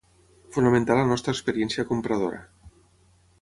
Fonamentar la nostra experiència compradora.